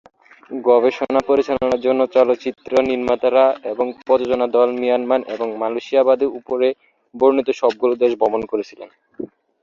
গবেষণা পরিচালনার জন্য, চলচ্চিত্র নির্মাতারা এবং প্রযোজনা দল মিয়ানমার এবং মালয়েশিয়া বাদে উপরে বর্ণিত সবগুলো দেশ ভ্রমণ করেছেন।